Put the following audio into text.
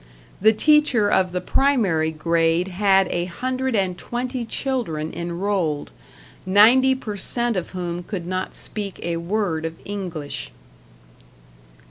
The teacher of the primary grade had a hundred and twenty children en rolled, ninety per cent of whom could not speak a word of English.